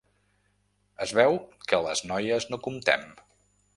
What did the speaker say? Es veu que les noies no comptem.